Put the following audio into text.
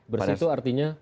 bersih itu artinya